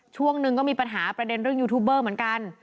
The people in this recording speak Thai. ช่วงหนึ่งก็มีปัญหาประเด็นเรื่องยูทูบเบอร์เหมือนกัน